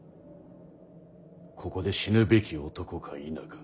ここで死ぬべき男か否か。